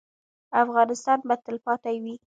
افغانستان به تلپاتې وي